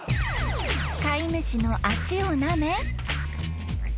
［飼い主の足をなめ］